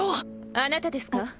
あなたですか？